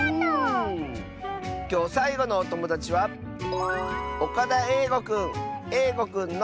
きょうさいごのおともだちはえいごくんの。